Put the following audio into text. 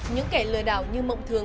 những kẻ lừa đảo như mộng thường